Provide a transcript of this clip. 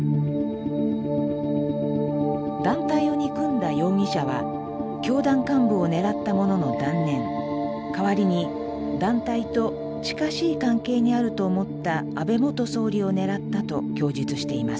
団体を憎んだ容疑者は教団幹部を狙ったものの断念代わりに団体と近しい関係にあると思った安倍元総理を狙ったと供述しています。